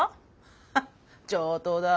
ハッ上等だ。